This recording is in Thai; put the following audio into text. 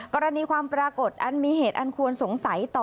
กรณีความปรากฏอันมีเหตุอันควรสงสัยต่อ